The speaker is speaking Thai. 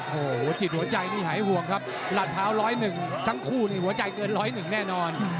โอ้โหจิตหัวใจนี่หายห่วงครับลาดพร้าว๑๐๑ทั้งคู่นี่หัวใจเกิน๑๐๑แน่นอน